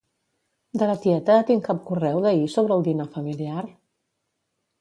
De la tieta tinc cap correu d'ahir sobre el dinar familiar?